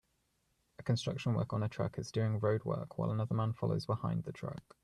A construction worker on a truck is doing roadwork while another man follows behind the truck.